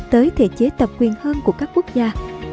tới thể chế tập quyền hơn của các quốc gia